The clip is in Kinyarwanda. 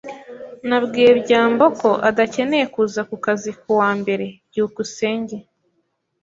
Nabwiye byambo ko adakeneye kuza ku kazi ku wa mbere. byukusenge